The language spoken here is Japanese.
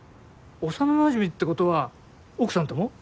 幼なじみってことは奥さんとも？